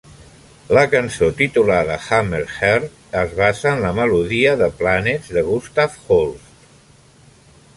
La cançó titulada Hammerheart es basa en la melodia "The Planets" de Gustav Holst.